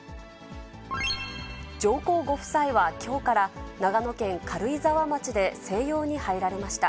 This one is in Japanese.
上皇ご夫妻はきょうから長野県軽井沢町で静養に入られました。